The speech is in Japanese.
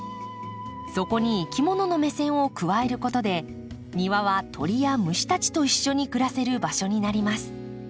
そこにいきものの目線を加えることで庭は鳥や虫たちと一緒に暮らせる場所になります。